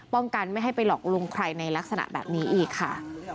กันไม่ให้ไปหลอกลวงใครในลักษณะแบบนี้อีกค่ะ